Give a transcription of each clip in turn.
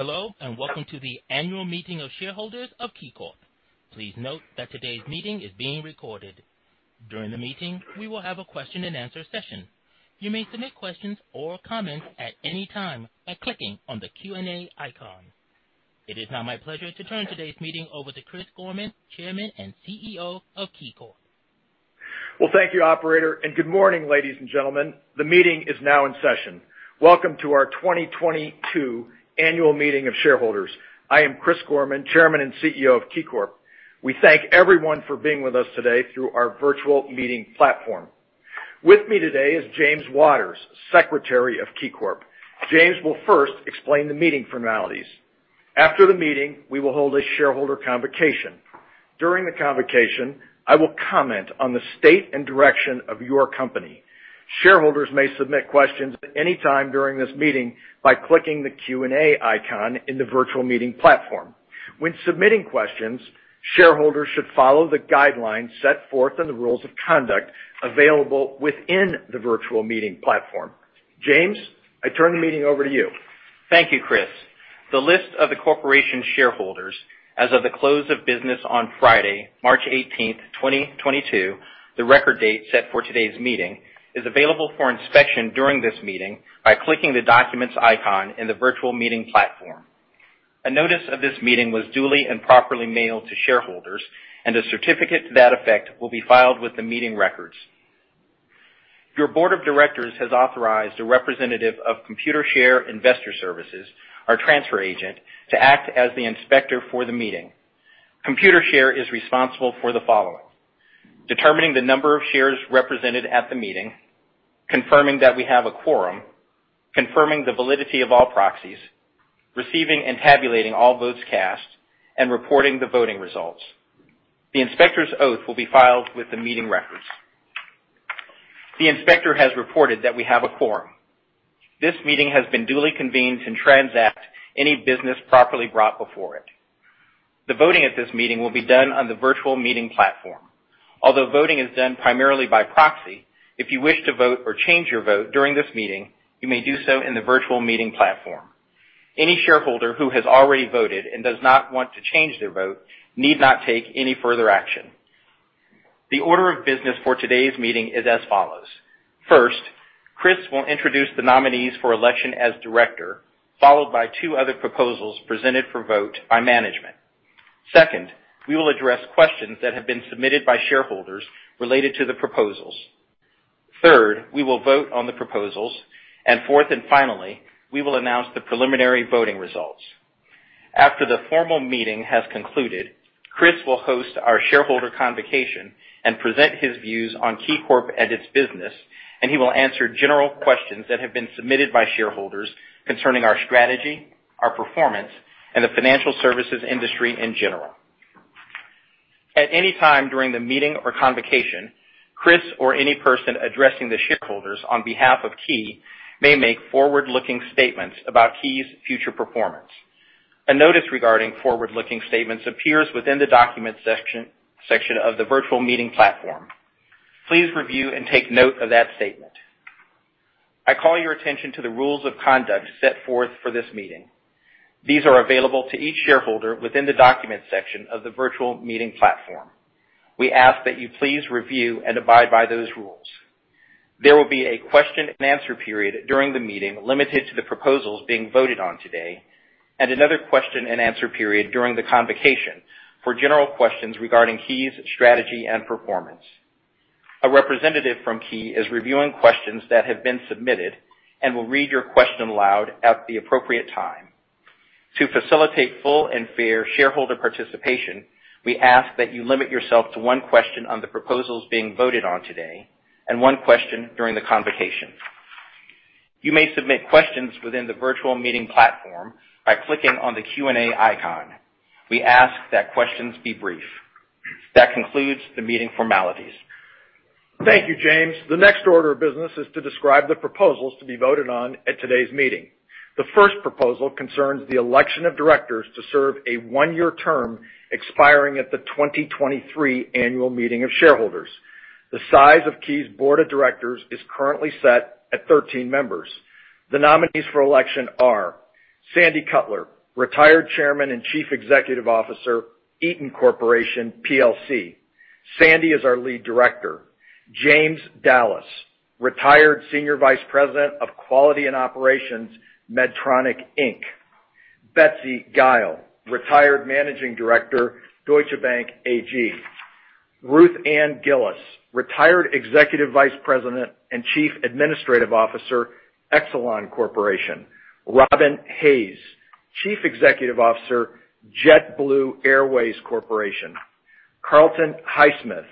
Hello, and welcome to the annual meeting of shareholders of KeyCorp. Please note that today's meeting is being recorded. During the meeting, we will have a question and answer session. You may submit questions or comments at any time by clicking on the Q&A icon. It is now my pleasure to turn today's meeting over to Chris Gorman, Chairman and CEO of KeyCorp. Well, thank you operator, and good morning, ladies and gentlemen. The meeting is now in session. Welcome to our 2022 annual meeting of shareholders. I am Chris Gorman, Chairman and CEO of KeyCorp. We thank everyone for being with us today through our virtual meeting platform. With me today is James Waters, Secretary of KeyCorp. James will first explain the meeting formalities. After the meeting, we will hold a shareholder convocation. During the convocation, I will comment on the state and direction of your company. Shareholders may submit questions at any time during this meeting by clicking the Q&A icon in the virtual meeting platform. When submitting questions, shareholders should follow the guidelines set forth in the rules of conduct available within the virtual meeting platform. James, I turn the meeting over to you. Thank you, Chris. The list of the Corporation's shareholders as of the close of business on Friday, March 18, 2022, the record date set for today's meeting, is available for inspection during this meeting by clicking the documents icon in the virtual meeting platform. A notice of this meeting was duly and properly mailed to shareholders, and a certificate to that effect will be filed with the meeting records. Your board of directors has authorized a representative of Computershare Investor Services, our transfer agent, to act as the inspector for the meeting. Computershare is responsible for the following, determining the number of shares represented at the meeting, confirming that we have a quorum, confirming the validity of all proxies, receiving and tabulating all votes cast, and reporting the voting results. The inspector's oath will be filed with the meeting records. The inspector has reported that we have a quorum. This meeting has been duly convened to transact any business properly brought before it. The voting at this meeting will be done on the virtual meeting platform. Although voting is done primarily by proxy, if you wish to vote or change your vote during this meeting, you may do so in the virtual meeting platform. Any shareholder who has already voted and does not want to change their vote need not take any further action. The order of business for today's meeting is as follows. First, Chris will introduce the nominees for election as director, followed by two other proposals presented for vote by management. Second, we will address questions that have been submitted by shareholders related to the proposals. Third, we will vote on the proposals. Fourth, and finally, we will announce the preliminary voting results. After the formal meeting has concluded, Chris will host our shareholder convocation and present his views on KeyCorp and its business, and he will answer general questions that have been submitted by shareholders concerning our strategy, our performance, and the financial services industry in general. At any time during the meeting or convocation, Chris or any person addressing the shareholders on behalf of Key may make forward-looking statements about Key's future performance. A notice regarding forward-looking statements appears within the document section of the virtual meeting platform. Please review and take note of that statement. I call your attention to the rules of conduct set forth for this meeting. These are available to each shareholder within the documents section of the virtual meeting platform. We ask that you please review and abide by those rules. There will be a question and answer period during the meeting, limited to the proposals being voted on today, and another question and answer period during the convocation for general questions regarding Key's strategy and performance. A representative from Key is reviewing questions that have been submitted and will read your question aloud at the appropriate time. To facilitate full and fair shareholder participation, we ask that you limit yourself to one question on the proposals being voted on today and one question during the convocation. You may submit questions within the virtual meeting platform by clicking on the Q&A icon. We ask that questions be brief. That concludes the meeting formalities. Thank you, James. The next order of business is to describe the proposals to be voted on at today's meeting. The first proposal concerns the election of directors to serve a one-year term expiring at the 2023 annual meeting of shareholders. The size of Key's board of directors is currently set at 13 members. The nominees for election are Sandy Cutler, retired Chairman and Chief Executive Officer, Eaton Corporation plc. Sandy is our lead director. James Dallas, retired Senior Vice President of Quality and Operations, Medtronic, Inc. Betsy Gile, retired Managing Director, Deutsche Bank AG. Ruth Ann Gillis, retired Executive Vice President and Chief Administrative Officer, Exelon Corporation. Robin Hayes, Chief Executive Officer, JetBlue Airways Corporation. Carlton Highsmith,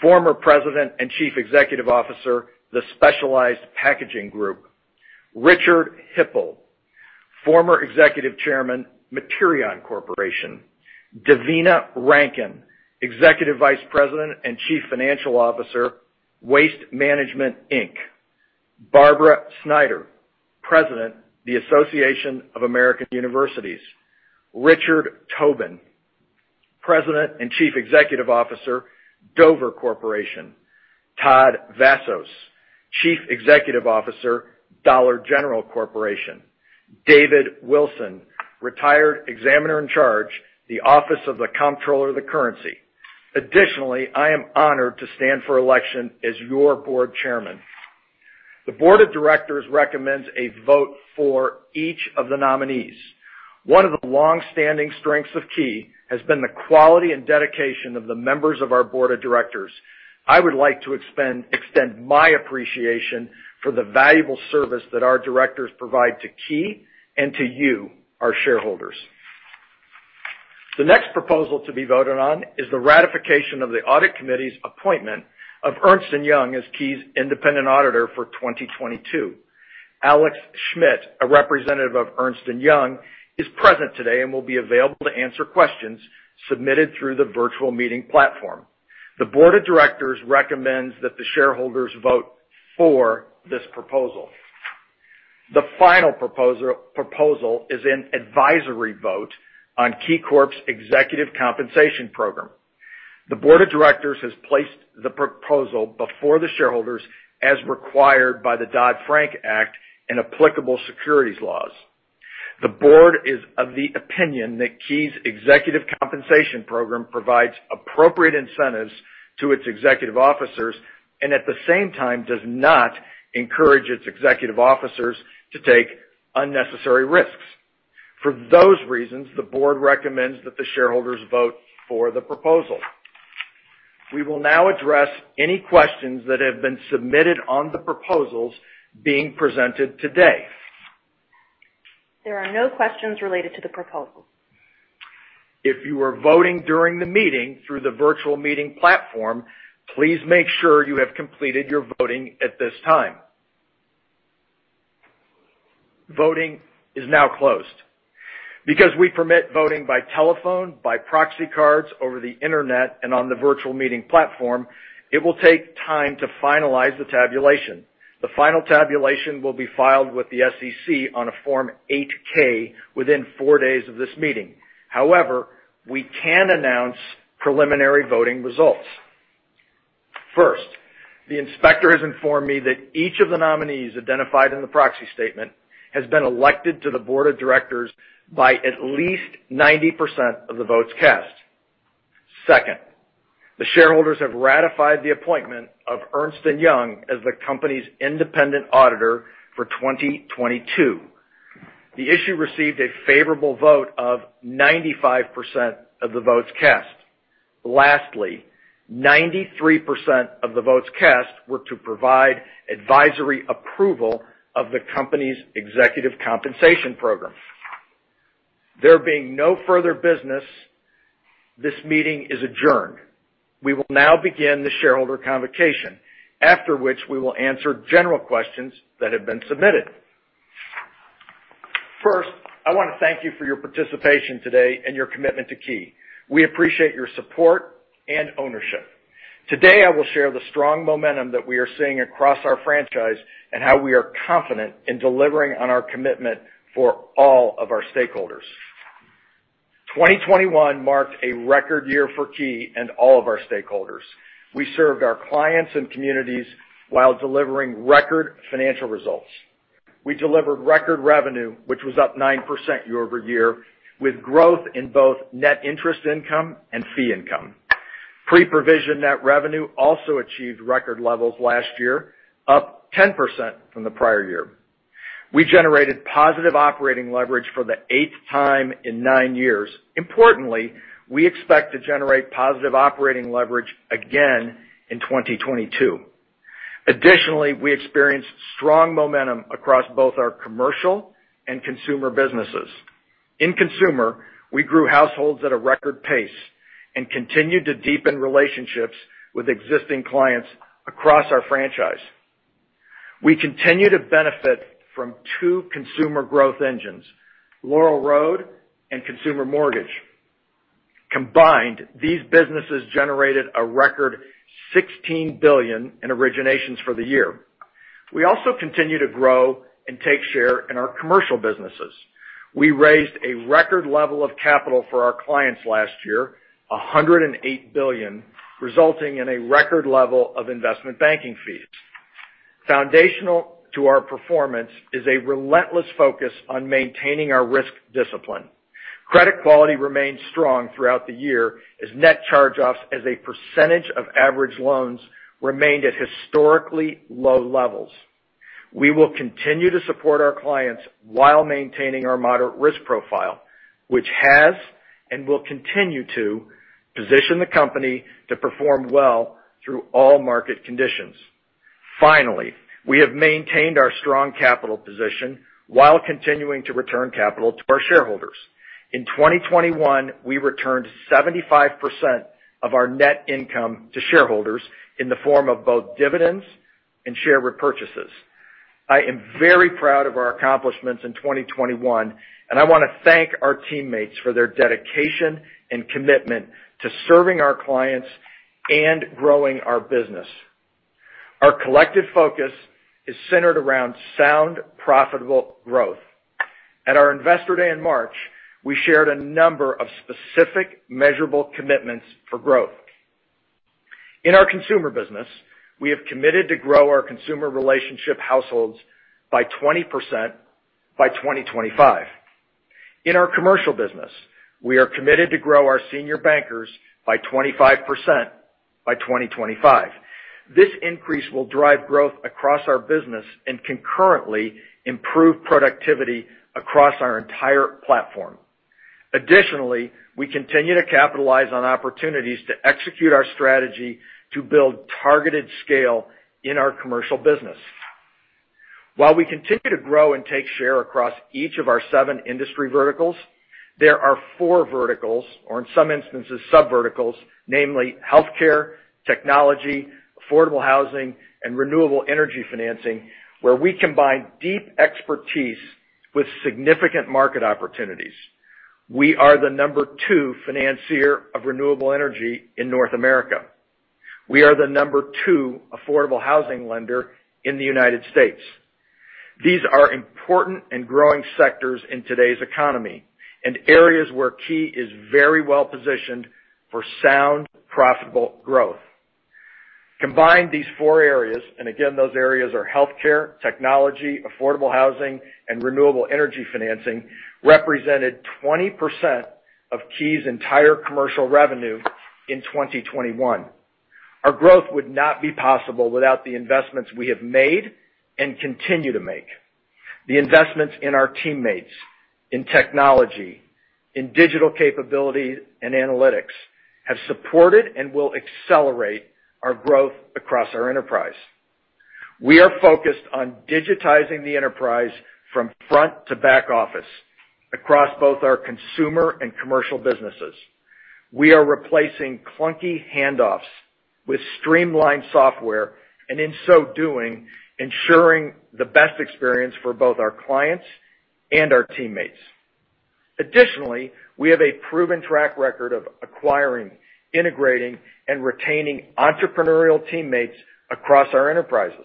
former President and Chief Executive Officer, The Specialized Packaging Group. Richard Hipple, former Executive Chairman, Materion Corporation. Devina Rankin, Executive Vice President and Chief Financial Officer, Waste Management, Inc. Barbara Snyder, President, Association of American Universities. Richard Tobin, President and Chief Executive Officer, Dover Corporation. Todd Vasos, Chief Executive Officer, Dollar General Corporation. David Wilson, Retired Examiner-in-Charge, Office of the Comptroller of the Currency. Additionally, I am honored to stand for election as your board chairman. The board of directors recommends a vote for each of the nominees. One of the long-standing strengths of Key has been the quality and dedication of the members of our board of directors. I would like to extend my appreciation for the valuable service that our directors provide to Key and to you, our shareholders. The next proposal to be voted on is the ratification of the audit committee's appointment of Ernst & Young as Key's independent auditor for 2022. Alex Schmidt, a representative of Ernst & Young, is present today and will be available to answer questions submitted through the virtual meeting platform. The board of directors recommends that the shareholders vote for this proposal. The final proposal is an advisory vote on KeyCorp's Executive Compensation program. The board of directors has placed the proposal before the shareholders as required by the Dodd-Frank Act and applicable securities laws. The board is of the opinion that Key's Executive Compensation program provides appropriate incentives to its executive officers and at the same time, does not encourage its executive officers to take unnecessary risks. For those reasons, the board recommends that the shareholders vote for the proposal. We will now address any questions that have been submitted on the proposals being presented today. There are no questions related to the proposal. If you are voting during the meeting through the virtual meeting platform, please make sure you have completed your voting at this time. Voting is now closed. Because we permit voting by telephone, by proxy cards over the internet, and on the virtual meeting platform, it will take time to finalize the tabulation. The final tabulation will be filed with the SEC on a Form 8-K within four days of this meeting. However, we can announce preliminary voting results. First, the inspector has informed me that each of the nominees identified in the proxy statement has been elected to the board of directors by at least 90% of the votes cast. Second, the shareholders have ratified the appointment of Ernst & Young as the company's independent auditor for 2022. The issue received a favorable vote of 95% of the votes cast. Lastly, 93% of the votes cast were to provide advisory approval of the company's executive compensation program. There being no further business, this meeting is adjourned. We will now begin the shareholder conversation, after which we will answer general questions that have been submitted. First, I want to thank you for your participation today and your commitment to Key. We appreciate your support and ownership. Today, I will share the strong momentum that we are seeing across our franchise and how we are confident in delivering on our commitment for all of our stakeholders. 2021 marked a record year for Key and all of our stakeholders. We served our clients and communities while delivering record financial results. We delivered record revenue, which was up 9% year-over-year, with growth in both net interest income and fee income. Pre-provision net revenue also achieved record levels last year, up 10% from the prior year. We generated positive operating leverage for the eighth time in nine years. Importantly, we expect to generate positive operating leverage again in 2022. Additionally, we experienced strong momentum across both our commercial and consumer businesses. In consumer, we grew households at a record pace and continued to deepen relationships with existing clients across our franchise. We continue to benefit from two consumer growth engines, Laurel Road and Consumer Mortgage. Combined, these businesses generated a record $16 billion in originations for the year. We also continue to grow and take share in our commercial businesses. We raised a record level of capital for our clients last year, $108 billion, resulting in a record level of investment banking fees. Foundational to our performance is a relentless focus on maintaining our risk discipline. Credit quality remained strong throughout the year as net charge-offs as a percentage of average loans remained at historically low levels. We will continue to support our clients while maintaining our moderate risk profile, which has and will continue to position the company to perform well through all market conditions. Finally, we have maintained our strong capital position while continuing to return capital to our shareholders. In 2021, we returned 75% of our net income to shareholders in the form of both dividends and share repurchases. I am very proud of our accomplishments in 2021, and I want to thank our teammates for their dedication and commitment to serving our clients and growing our business. Our collective focus is centered around sound, profitable growth. At our Investor Day in March, we shared a number of specific measurable commitments for growth. In our consumer business, we have committed to grow our consumer relationship households by 20% by 2025. In our commercial business, we are committed to grow our senior bankers by 25% by 2025. This increase will drive growth across our business and concurrently improve productivity across our entire platform. Additionally, we continue to capitalize on opportunities to execute our strategy to build targeted scale in our commercial business. While we continue to grow and take share across each of our seven industry verticals, there are four verticals, or in some instances, sub-verticals, namely healthcare, technology, affordable housing, and renewable energy financing, where we combine deep expertise with significant market opportunities. We are the number two financier of renewable energy in North America. We are the number two affordable housing lender in the United States. These are important and growing sectors in today's economy and areas where Key is very well-positioned for sound, profitable growth. Combine these four areas, and again, those areas are healthcare, technology, affordable housing, and renewable energy financing, represented 20% of Key's entire commercial revenue in 2021. Our growth would not be possible without the investments we have made and continue to make. The investments in our teammates, in technology, in digital capability and analytics have supported and will accelerate our growth across our enterprise. We are focused on digitizing the enterprise from front to back office across both our consumer and commercial businesses. We are replacing clunky handoffs with streamlined software, and in so doing, ensuring the best experience for both our clients and our teammates. Additionally, we have a proven track record of acquiring, integrating, and retaining entrepreneurial teammates across our enterprises.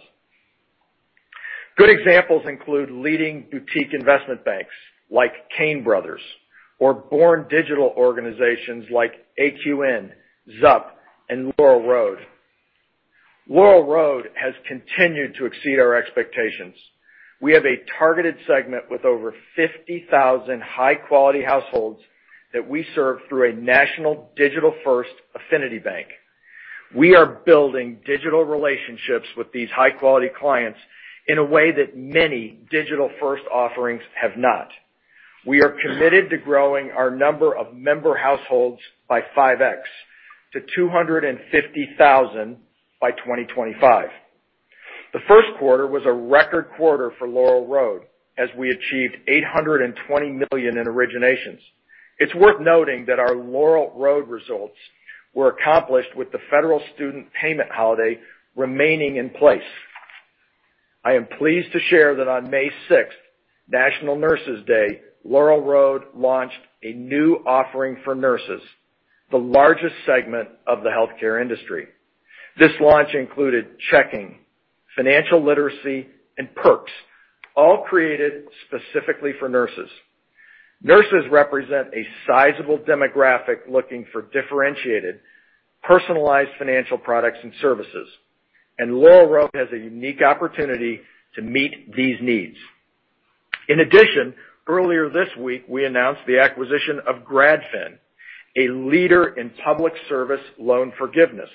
Good examples include leading boutique investment banks like Cain Brothers or born digital organizations like AQN, XUP, and Laurel Road. Laurel Road has continued to exceed our expectations. We have a targeted segment with over 50,000 high-quality households that we serve through a national digital-first affinity bank. We are building digital relationships with these high-quality clients in a way that many digital-first offerings have not. We are committed to growing our number of member households by 5x to 250,000 by 2025. The first quarter was a record quarter for Laurel Road as we achieved $820 million in originations. It's worth noting that our Laurel Road results were accomplished with the federal student payment holiday remaining in place. I am pleased to share that on May 6, National Nurses Day, Laurel Road launched a new offering for nurses, the largest segment of the healthcare industry. This launch included checking, financial literacy, and perks, all created specifically for nurses. Nurses represent a sizable demographic looking for differentiated, personalized financial products and services, and Laurel Road has a unique opportunity to meet these needs. In addition, earlier this week, we announced the acquisition of GradFin, a leader in public service loan forgiveness.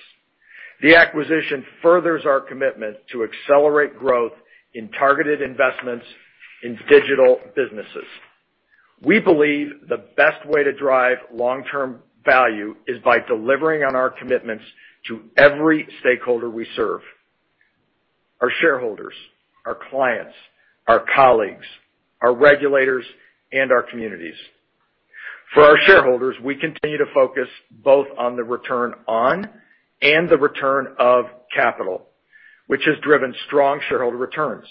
The acquisition furthers our commitment to accelerate growth in targeted investments in digital businesses. We believe the best way to drive long-term value is by delivering on our commitments to every stakeholder we serve, our shareholders, our clients, our colleagues, our regulators, and our communities. For our shareholders, we continue to focus both on the return on and the return of capital, which has driven strong shareholder returns.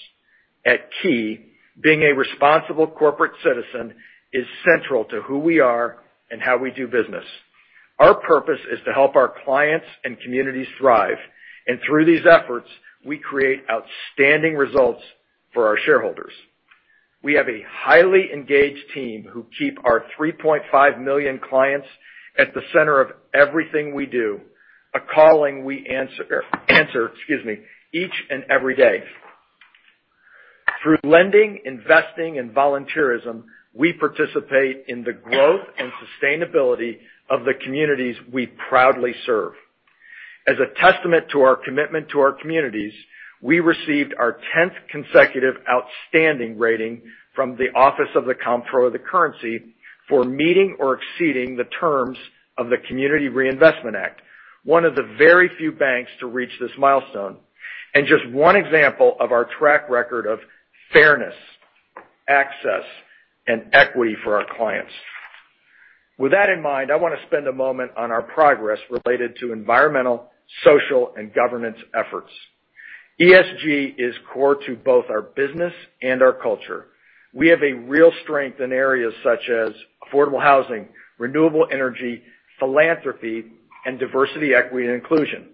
At Key, being a responsible corporate citizen is central to who we are and how we do business. Our purpose is to help our clients and communities thrive. Through these efforts, we create outstanding results for our shareholders. We have a highly engaged team who keep our 3.5 million clients at the center of everything we do, a calling we answer, excuse me, each and every day. Through lending, investing, and volunteerism, we participate in the growth and sustainability of the communities we proudly serve. As a testament to our commitment to our communities, we received our tenth consecutive outstanding rating from the Office of the Comptroller of the Currency for meeting or exceeding the terms of the Community Reinvestment Act, one of the very few banks to reach this milestone, and just one example of our track record of fairness, access, and equity for our clients. With that in mind, I want to spend a moment on our progress related to environmental, social, and governance efforts. ESG is core to both our business and our culture. We have a real strength in areas such as affordable housing, renewable energy, philanthropy, and diversity, equity, and inclusion.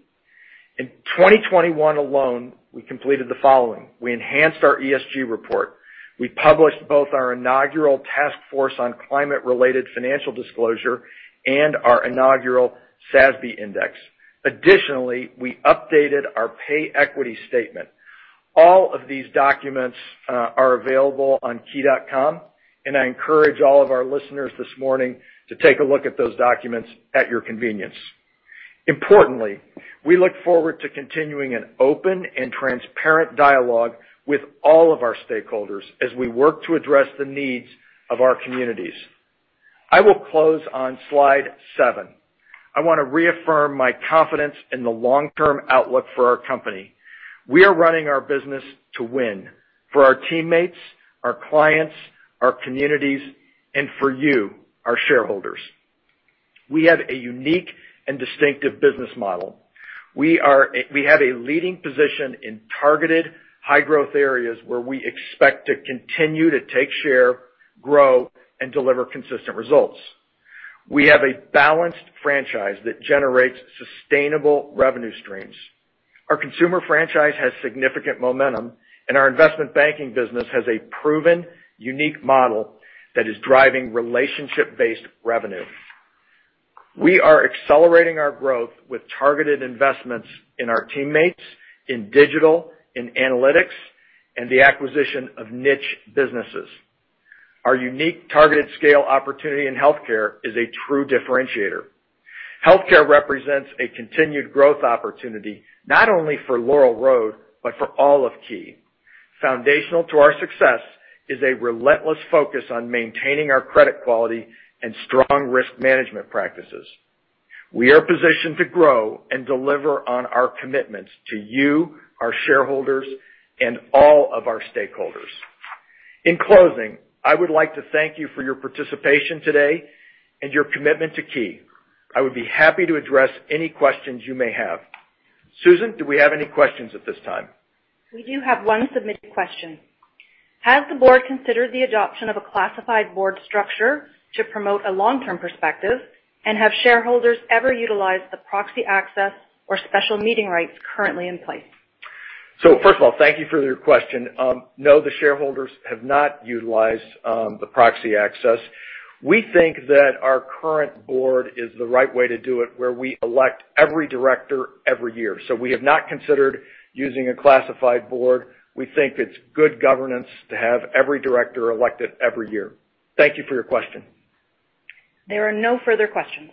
In 2021 alone, we completed the following. We enhanced our ESG report. We published both our inaugural task force on climate-related financial disclosure and our inaugural SASB Index. Additionally, we updated our pay equity statement. All of these documents are available on key.com, and I encourage all of our listeners this morning to take a look at those documents at your convenience. Importantly, we look forward to continuing an open and transparent dialogue with all of our stakeholders as we work to address the needs of our communities. I will close on slide seven. I want to reaffirm my confidence in the long-term outlook for our company. We are running our business to win for our teammates, our clients, our communities, and for you, our shareholders. We have a unique and distinctive business model. We have a leading position in targeted high-growth areas where we expect to continue to take share, grow, and deliver consistent results. We have a balanced franchise that generates sustainable revenue streams. Our consumer franchise has significant momentum, and our investment banking business has a proven unique model that is driving relationship-based revenue. We are accelerating our growth with targeted investments in our teammates, in digital, in analytics, and the acquisition of niche businesses. Our unique targeted scale opportunity in healthcare is a true differentiator. Healthcare represents a continued growth opportunity, not only for Laurel Road, but for all of Key. Foundational to our success is a relentless focus on maintaining our credit quality and strong risk management practices. We are positioned to grow and deliver on our commitments to you, our shareholders, and all of our stakeholders. In closing, I would like to thank you for your participation today and your commitment to Key. I would be happy to address any questions you may have. Susan, do we have any questions at this time? We do have one submitted question. Has the board considered the adoption of a classified board structure to promote a long-term perspective? Have shareholders ever utilized the proxy access or special meeting rights currently in place? First of all, thank you for your question. No, the shareholders have not utilized the proxy access. We think that our current board is the right way to do it, where we elect every director every year. We have not considered using a classified board. We think it's good governance to have every director elected every year. Thank you for your question. There are no further questions.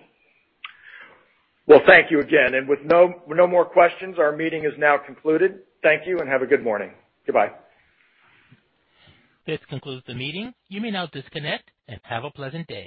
Well, thank you again. With no more questions, our meeting is now concluded. Thank you and have a good morning. Goodbye. This concludes the meeting. You may now disconnect and have a pleasant day.